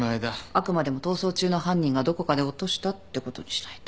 あくまでも逃走中の犯人がどこかで落としたってことにしないと。